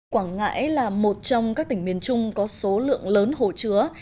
quảng ngãi là một trong các tỉnh miền trung có số lượng lớn hồ chứa